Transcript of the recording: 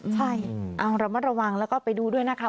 ใช่เอาระมัดระวังแล้วก็ไปดูด้วยนะคะ